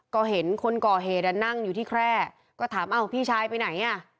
ก็เห็นคนก่อเหตุอ่ะนั่งอยู่ที่แคร่ก็ถามอ้าวพี่ชายไปไหนอ่ะ